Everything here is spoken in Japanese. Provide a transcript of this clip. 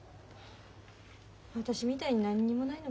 私みたいに何にもないのが幸せかもね。